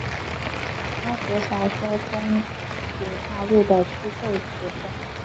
哈索小说中土大陆的虚构角色。